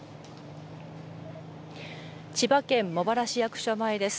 千葉県茂原市役所前です。